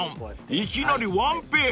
いきなりワンペア］